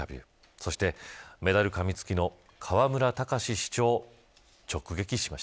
そして、メダルかみつきの河村たかし